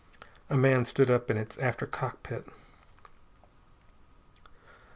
A man stood up in its after cockpit.